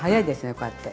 こうやって。